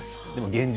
現状